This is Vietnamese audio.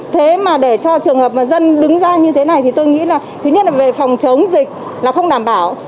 thế mà để cho trường hợp mà dân đứng ra như thế này thì tôi nghĩ là thứ nhất là về phòng chống dịch là không đảm bảo